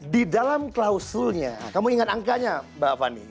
di dalam klausulnya kamu ingat angkanya mbak fani